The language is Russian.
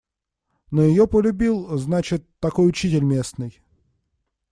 Но её полюбил, значит, такой учитель местный.